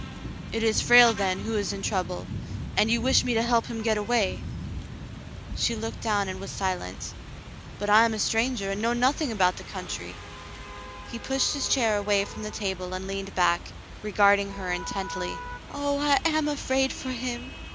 "It is Frale, then, who is in trouble ! And you wish me to help him get away ?" She looked down and was silent. "But I am a stranger, and know nothing about the coun try." He pushed his chair away from the table and leaned back, regarding her intently. "Oh, I am afraid for him."